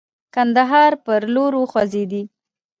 کندهار پر لور وخوځېدی.